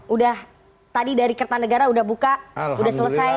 udah tadi dari kertanegara udah buka udah selesai